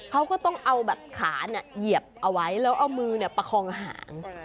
เขาก็ต้องเอาแบบขาเหยียบเอาไว้แล้วเอามือประคองหาง